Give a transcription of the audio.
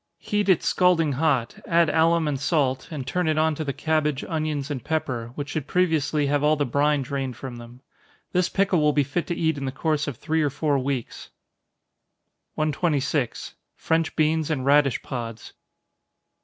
Heat it scalding hot add alum and salt, and turn it on to the cabbage, onions and pepper, which should previously have all the brine drained from them. This pickle will be fit to eat in the course of three or four weeks. 126. _French Beans and Radish Pods.